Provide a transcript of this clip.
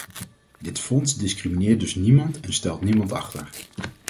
Dit fonds discrimineert dus niemand en stelt niemand achter.